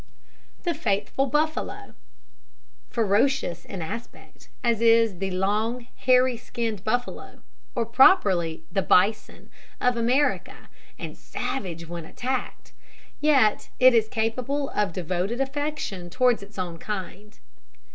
THE FAITHFUL BUFFALO. Ferocious in aspect as is the long hairy skinned buffalo or properly the bison of America, and savage when attacked, yet it is capable of devoted affection towards its own kind.